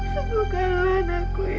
semoga elan aku ya allah